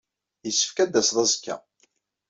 Yessefk ad d-taseḍ azekka.